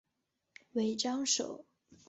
尾张守。